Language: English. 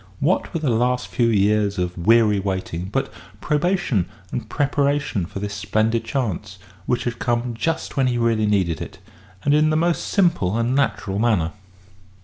What were the last few years of weary waiting but probation and preparation for this splendid chance, which had come just when he really needed it, and in the most simple and natural manner?